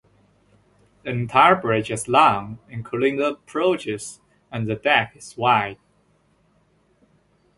The entire bridge is long, including approaches, and the deck is wide.